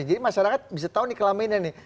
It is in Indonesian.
jadi masyarakat bisa tahu di kelaminan nih